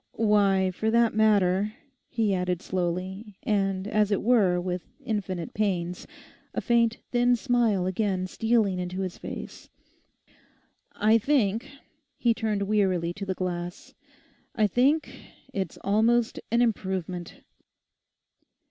'Why, for that matter,' he added slowly, and, as it were, with infinite pains, a faint thin smile again stealing into his face, 'I think,' he turned wearily to the glass, 'I think, it's almost an improvement!